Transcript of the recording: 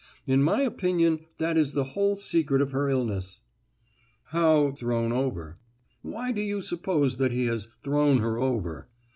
In my opinion that is the whole secret of her illness." "How 'thrown over'? Why do you suppose that he has thrown her over?"